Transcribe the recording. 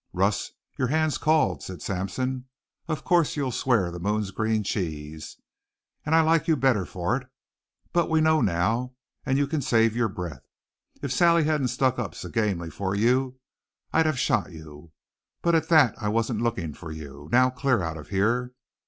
"Russ, your hand's called," said Sampson. "Of course you'll swear the moon's green cheese. And I like you the better for it. But we know now, and you can save your breath. If Sally hadn't stuck up so gamely for you I'd have shot you. But at that I wasn't looking for you. Now clear out of here."